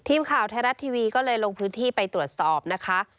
ทีมข่าวไทยรัฐทีวีก็เลยลงพื้นที่ไปตรวจสอบนะคะ